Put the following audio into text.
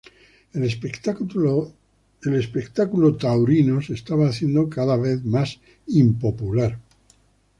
El espectáculo taurino se estaba haciendo cada vez más popular.